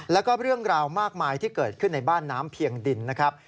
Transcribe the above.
แล้วก็เรื่องราวมากมายที่เกิดขึ้นในบ้านน้ำเพียงดินนะครับ